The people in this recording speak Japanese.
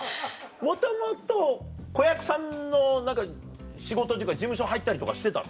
もともと子役さんの仕事というか事務所に入ったりとかしてたの？